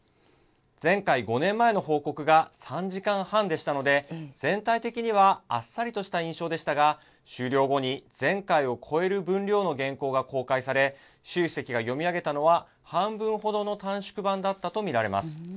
前回・５年前の報告が３時間半でしたので、全体的にはあっさりとした印象でしたが、終了後に前回を超える分量の原稿が公開され、習主席が読み上げたのは半分ほどの短縮版だったと見られます。